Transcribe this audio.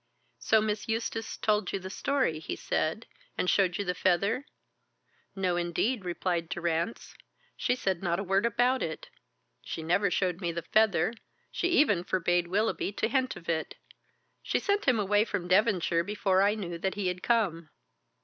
"So Miss Eustace told you the story," he said, "and showed you the feather?" "No, indeed," replied Durrance. "She said not a word about it, she never showed me the feather, she even forbade Willoughby to hint of it, she sent him away from Devonshire before I knew that he had come.